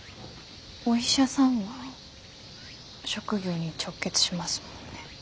お医者さんは職業に直結しますもんね。